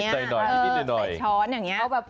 ใส่ช้อนอย่างนี้